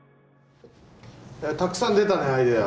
たくさん出たねアイデア。